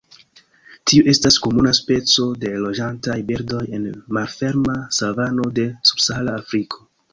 Tiu estas komuna specio de loĝantaj birdoj en malferma savano de Subsahara Afriko.